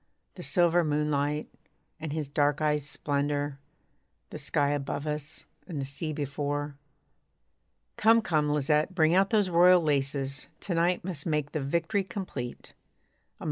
The silver moonlight, and his dark eyes' splendour, The sky above us, and the sea before.) Come, come, Lisette, bring out those royal laces; To night must make the victory complete.